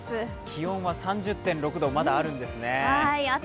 気温は３０．６度まだあるんですよね。